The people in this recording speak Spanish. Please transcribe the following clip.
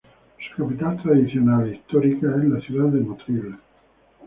Su capital tradicional e histórica es la ciudad de Motril.